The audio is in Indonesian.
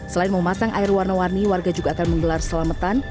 selain memasang air warna warni warga juga akan menggelar selamatan